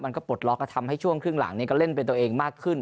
ปลดล็อกก็ทำให้ช่วงครึ่งหลังก็เล่นเป็นตัวเองมากขึ้น